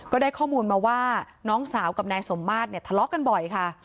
ก็ได้ข้อมูลมาว่าน้องสาวกับนายสมมาตรเนี่ยทะเลาะกันบ่อยค่ะ